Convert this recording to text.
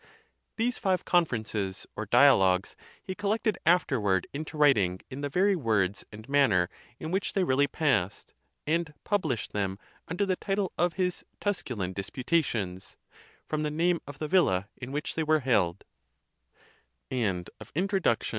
These five conferences, or dialogues, he collected afterward into writing in the very words and manner in which they really passed; and published them under the title of his Tusculan Disputa tions, from the name of the vi